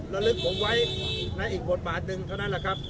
ระลึกผมไว้ในอีกบทบาทหนึ่งเท่านั้นแหละครับ